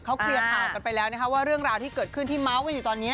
เขาเคลียร์ข่าวกันไปแล้วนะคะว่าเรื่องราวที่เกิดขึ้นที่เมาส์กันอยู่ตอนนี้